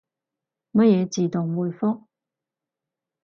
乜嘢自動回覆？